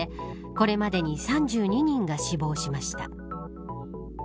これまでに３２人が死亡しました。